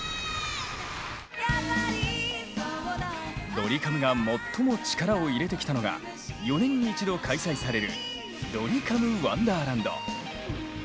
ドリカムが最も力を入れてきたのが４年に一度開催される「ドリカムワンダーランド」。